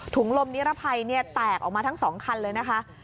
ถุงลมนิรภัยแตกออกมาทั้ง๒คันแล้วนะครับ